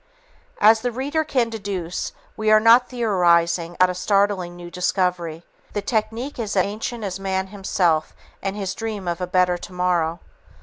As the reader can deduce, we are not theorizing about a startling new discovery. The technique is as ancient as man himself and his dream of a better tomorrow.